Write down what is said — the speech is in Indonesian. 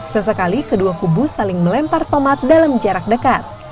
sesekali kedua kubu saling melempar tomat dalam jarak dekat